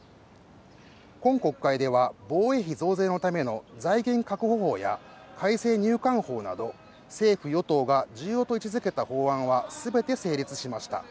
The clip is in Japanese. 今国会では、防衛費増税のための財源確保法や改正入管法など政府・与党が重要と位置づけた法案は全て成立しました。